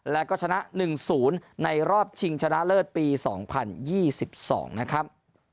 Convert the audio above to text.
แล้วก็ชนะ๑๐ในรอบชิงชนะเลิศปี๒๐๒๒นะครับ